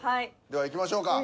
ではいきましょうか。